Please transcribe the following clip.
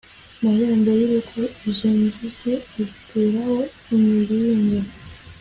marembo y urugo izo nzugi aziteraho imiringa